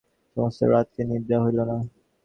সমস্ত রাত্রি নিদ্রা হইল না।